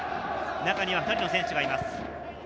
中には２人の選手がいます。